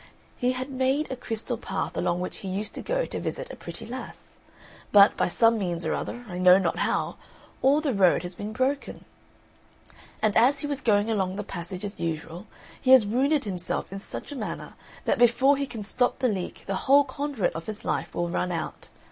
He had made a crystal path along which he used to go to visit a pretty lass; but by some means or other, I know not how, all the road has been broken; and as he was going along the passage as usual, he has wounded himself in such a manner that before he can stop the leak the whole conduit of his life will run out.